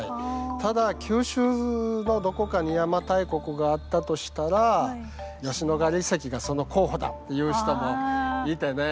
ただ九州のどこかに邪馬台国があったとしたら「吉野ヶ里遺跡がその候補だ」って言う人もいてね